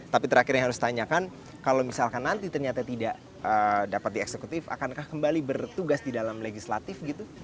tapi terakhir yang harus ditanyakan kalau misalkan nanti ternyata tidak dapat dieksekutif akankah kembali bertugas di dalam legislatif gitu